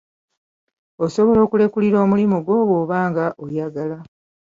Osobola okulekulira omulimu gwo bw'oba nga oyagala.